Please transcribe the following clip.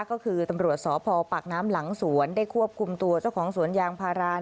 ก็คือตำรวจสพปากน้ำหลังสวนได้ควบคุมตัวเจ้าของสวนยางพารา